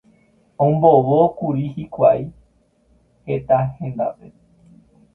Ombovókuri hikuái heta hendápe.